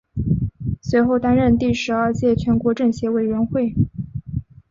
随后担任第十二届全国政协委员。